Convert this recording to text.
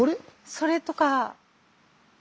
それとか。